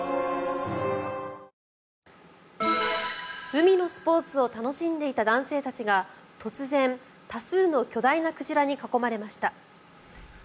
海のスポーツを楽しんでいた男性たちが突然、多数の巨大な鯨に囲まれました。